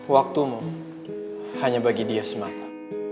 waktumu hanya bagi dia semata